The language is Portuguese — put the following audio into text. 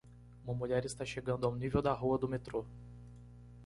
Uma mulher está chegando ao nível da rua do metrô.